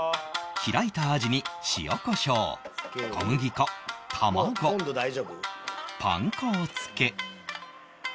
開いたアジに塩こしょう小麦粉卵パン粉をつけ